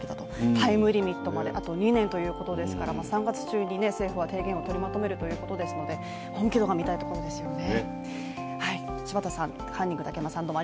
タイムリミットまであと２年ということですから３月中に政府は提言を取りまとめるということですので本気度が見たいところですよね。